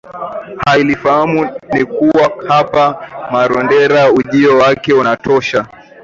hailifahamu ni kuwa hapa Marondera ujio wake unatosha